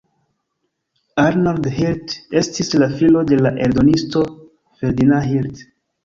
Arnold Hirt estis la filo de la eldonisto Ferdinand Hirt.